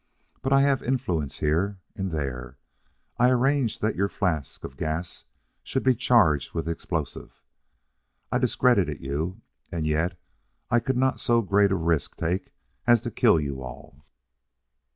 But I have influence here und there I arranged that your flask of gas should be charged with explosive, I discredited you, and yet I could not so great a risk take as to kill you all.